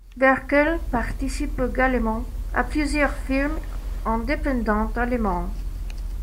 Berkel participe également à plusieurs films indépendants allemands.